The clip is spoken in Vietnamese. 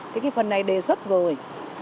cái phần này đề xuất rồi